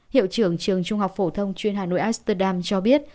hiệu trưởng trường trung học phổ thông chuyên hà nội asterdam cho biết